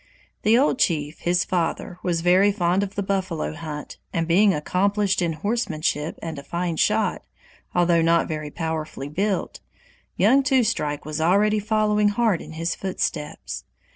The old chief, his father, was very fond of the buffalo hunt; and being accomplished in horsemanship and a fine shot, although not very powerfully built, young Two Strike was already following hard in his footsteps.